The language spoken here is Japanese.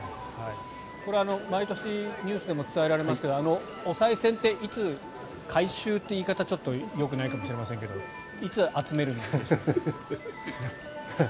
毎年ニュースでも伝えられますがおさい銭って、いつ回収という言い方はよくないかもしれませんがいつ集めるんでしたっけ？